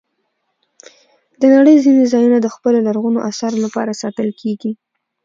د نړۍ ځینې ځایونه د خپلو لرغونو آثارو لپاره ساتل کېږي.